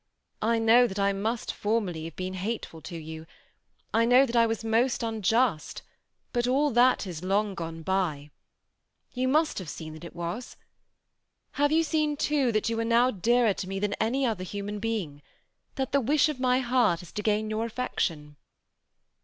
I know that I must formerly have been hateful to you ; I know that I was most unjust ; but all that is long gone by. You must have seen that it was. Have you seen too, that you are now dearer to me than any other human being ; that the wish of my heart is to gain your affection